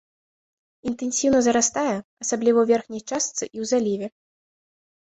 Інтэнсіўна зарастае, асабліва ў верхняй частцы і ў заліве.